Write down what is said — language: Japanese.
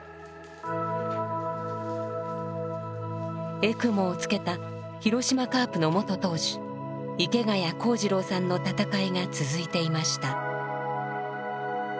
エクモをつけた広島カープの元投手池谷公二郎さんの闘いが続いていました。